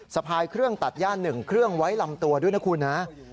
สะพายเครื่องตัดย่า๑เครื่องไว้ลำตัวด้วยนะคุณนะ